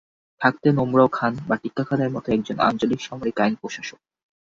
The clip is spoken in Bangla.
থাকতেন ওমরাও খান বা টিক্কা খানের মতো একজন আঞ্চলিক সামরিক আইন প্রশাসক।